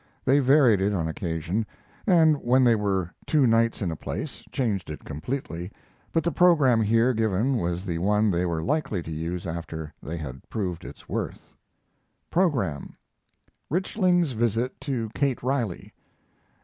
They varied it on occasion, and when they were two nights in a place changed it completely, but the program here given was the one they were likely to use after they had proved its worth: PROGRAM Richling's visit to Kate Riley GEO.